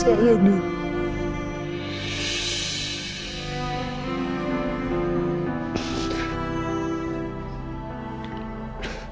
sekarang saya harus melakukannya apa